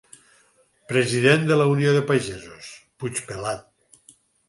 >>President de la Unió de Pagesos: Puigpelat.